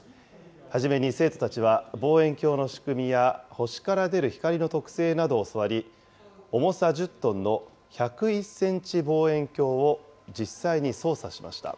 初めに生徒たちは望遠鏡の仕組みや、星から出る光の特性などを教わり、重さ１０トンの１０１センチ望遠鏡を実際に操作しました。